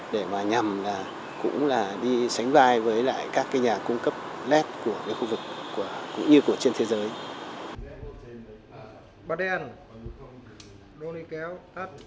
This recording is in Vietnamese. để nhằm đi sánh vai với các nhà cung cấp led của khu vực cũng như trên thế giới